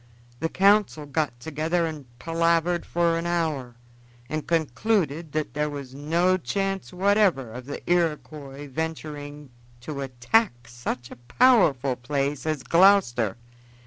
The council got together and palavered for an hour, and concluded that there was no chance whatever of the Iroquois venturing to attack such a powerful place as Gloucester.